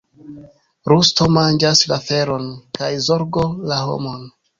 Rusto manĝas la feron, kaj zorgo la homon.